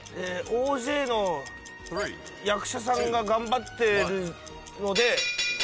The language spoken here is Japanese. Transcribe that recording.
大勢の役者さんが頑張ってるので。